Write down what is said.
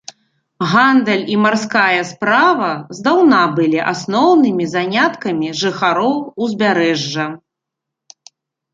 Гандаль і марская справа здаўна былі асноўнымі заняткамі жыхароў узбярэжжа.